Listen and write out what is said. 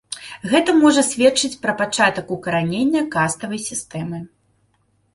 Гэта можа сведчыць пра пачатак укаранення каставай сістэмы.